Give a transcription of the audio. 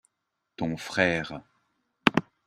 ton frère.